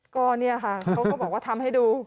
ก็เนี่ยค่ะเขาก็บอกว่าทำให้ดู